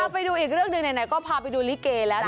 ไปดูอีกเรื่องหนึ่งไหนก็พาไปดูลิเกแล้ว